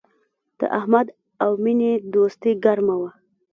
د احمد او مینې دوستي گرمه وه